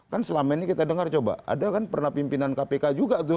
kan selama ini kita dengar coba ada kan pernah pimpinan kpk juga tuh